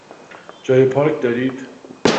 جای پارک دارید؟